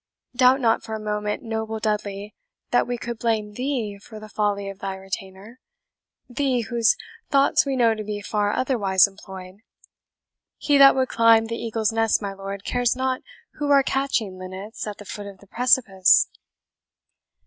Doubt not for a moment, noble Dudley, that we could blame THEE for the folly of thy retainer thee, whose thoughts we know to be far otherwise employed. He that would climb the eagle's nest, my lord, cares not who are catching linnets at the foot of the precipice."